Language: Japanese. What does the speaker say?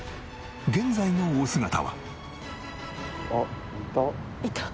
現在のお姿は？